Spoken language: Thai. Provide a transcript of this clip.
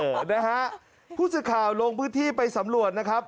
เอ่อนะฮะผู้สิทธิ์ข่าวลงพื้นที่ไปสำรวจนะครับ